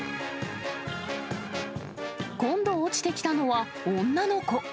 今度落ちてきたのは女の子。